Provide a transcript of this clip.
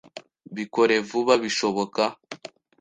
Bikore vuba bishoboka.